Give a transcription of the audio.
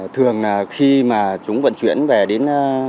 thường khi mà chúng vận chuyển về đến